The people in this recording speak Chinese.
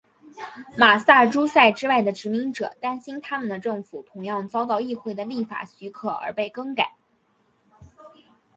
马萨诸塞之外的殖民者担心他们的政府同样遭到议会的立法许可而被更改。